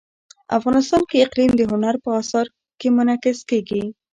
افغانستان کې اقلیم د هنر په اثار کې منعکس کېږي.